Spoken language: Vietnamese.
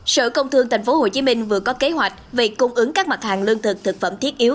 sở công thương tp hcm vừa có kế hoạch về cung ứng các mặt hàng lương thực thực phẩm thiết yếu